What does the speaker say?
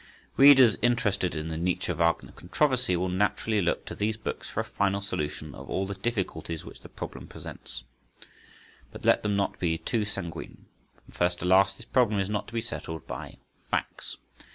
Readers interested in the Nietzsche Wagner controversy will naturally look to these books for a final solution of all the difficulties which the problem presents. But let them not be too sanguine. From first to last this problem is not to be settled by "facts."